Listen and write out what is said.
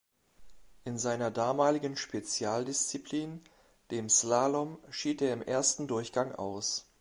In seiner damaligen Spezialdisziplin, dem Slalom, schied er im ersten Durchgang aus.